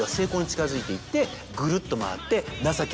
ぐるっと回って。